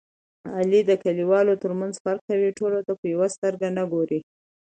علي د کلیوالو ترمنځ فرق کوي. ټولو ته په یوه سترګه نه ګوري.